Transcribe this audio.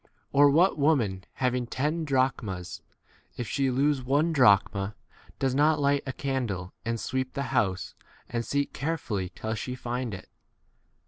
Or, what woman having ten drachmas, if she lose one drachma, does not light a candle and sweep the h house and seek carefully till she find it